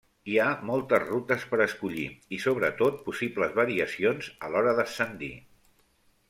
Hi ha moltes rutes per escollir, i sobretot possibles variacions a l'hora d'ascendir.